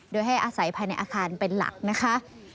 โดยให้อาศัยภายในอาคารเป็นหลักนะคะ